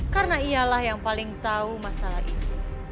karena ialah yang paling tahu masalah ini